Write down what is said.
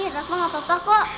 rasa gak apa apa kok